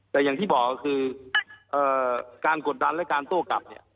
แต่อย่างที่บอกก็คือการกดดันและการโต้กลับเนี่ย